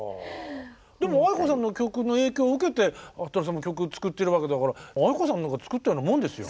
でもａｉｋｏさんの曲の影響を受けてはっとりさんも曲作ってるわけだからａｉｋｏさんが作ったようなもんですよ。